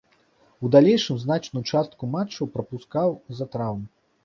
У далейшым значную частку матчаў прапускаў з-за траўм.